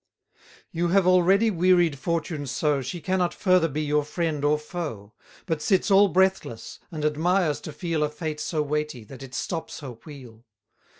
You have already wearied fortune so, She cannot further be your friend or foe; 130 But sits all breathless, and admires to feel A fate so weighty, that it stops her wheel.